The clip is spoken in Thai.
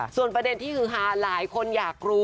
ส่วนประเด็นที่ฮือฮาหลายคนอยากรู้